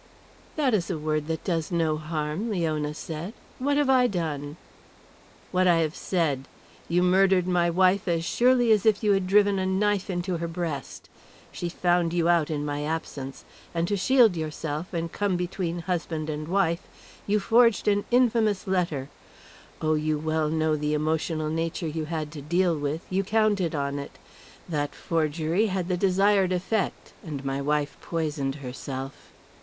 "That is a word that does no harm," Leona said. "What have I done?" "What I have said. You murdered my wife as surely as if you had driven a knife into her breast. She found you out in my absence. And to shield yourself and come between husband and wife you forged an infamous letter. Oh, you well knew the emotional nature you had to deal with, you counted on it. That forgery had the desired effect, and my wife poisoned herself.